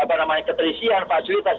ada keterisian fasilitas